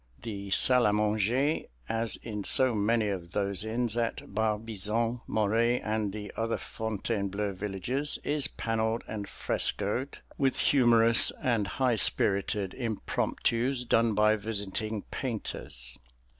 The salle à manger, as in so many of those inns at Barbizon, Moret, and the other Fontainebleau villages, is panelled and frescoed with humorous and high spirited impromptus done by visiting painters.